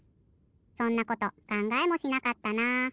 そんなことかんがえもしなかったな。